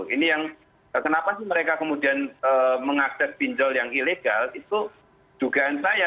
ini yang kenapa sih mereka kemudian mengakses pinjol yang ilegal itu dugaan saya